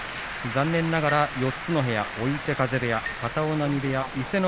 残念ながら４つの部屋追手風部屋、片男波